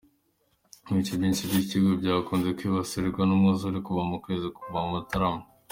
Ibice byinshi by’iki gihugu byakunze kwibasirwa n’umwuzure kuva mu kwezi kwa Mutarama.